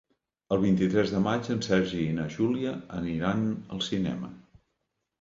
El vint-i-tres de maig en Sergi i na Júlia aniran al cinema.